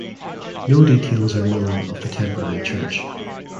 No details are known of the temporary church.